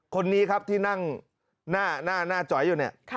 คนนี้ครับที่นั่งหน้าจอยอยู่เนี่ย